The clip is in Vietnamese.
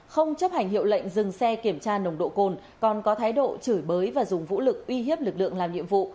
không chấp hành hiệu lệnh dừng xe kiểm tra nồng độ cồn còn có thái độ chửi bới và dùng vũ lực uy hiếp lực lượng làm nhiệm vụ